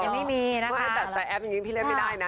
แต่ใส่แอปอย่างนี้พี่เรียนไม่ได้นะ